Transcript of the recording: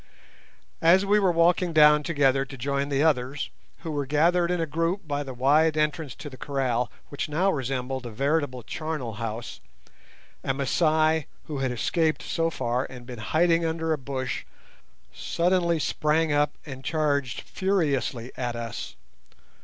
As we were walking down together to join the others, who were gathered in a group by the wide entrance to the kraal, which now resembled a veritable charnel house, a Masai, who had escaped so far and been hiding under a bush, suddenly sprang up and charged furiously at us.